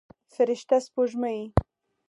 فرشته سپوږمۍ